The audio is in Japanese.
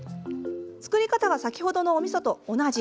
作り方は、先ほどのおみそと同じ。